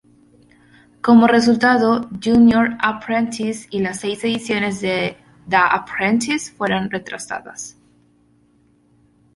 Como resultado, Junior Apprentice y las seis ediciones de The Apprentice fueron retrasadas.